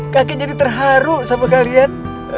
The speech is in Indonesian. kaki jadi terharu sama kalian